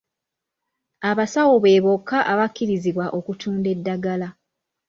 Abasawo be bokka abakkirizibwa okutunda eddagala.